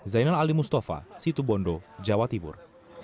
zainal ali mustafa situ bondo jawa tibur